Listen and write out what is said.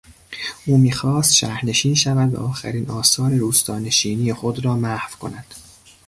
او میخواستشهرنشین شود و آخرین آثار روستانشینی خود را محو کند.